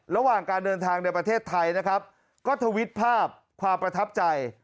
ระหว่างการเดินทางในประเทศไทยนะครับก็ทวิตภาพความประทับใจ